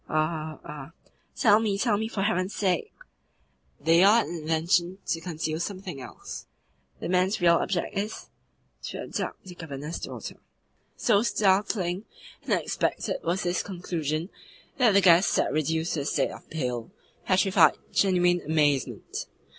"Are, are " "Tell me, tell me, for heaven's sake!" "They are an invention to conceal something else. The man's real object is, is TO ABDUCT THE GOVERNOR'S DAUGHTER." So startling and unexpected was this conclusion that the guest sat reduced to a state of pale, petrified, genuine amazement.